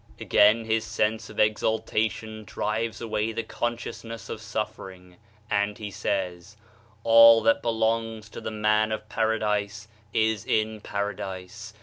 Again his sense of exaltation drives away the consciousness of suffering, and he says : "All that belongs to the man of Paradise is in Paradise.